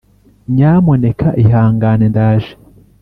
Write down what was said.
nyamuneka ihangane.ndaje